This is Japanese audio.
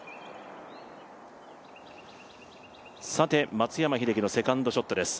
松山英樹のセカンドショットです。